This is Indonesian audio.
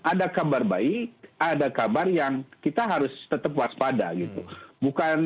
ada kabar baik ada kabar yang kita harus tetap waspada gitu